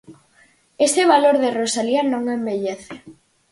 Ese valor de Rosalía non envellece.